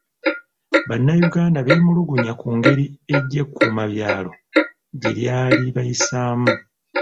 Bannayuganda beemulugunya ku ngeri eggye ekkuumabyalo gye lyali libayisaamu.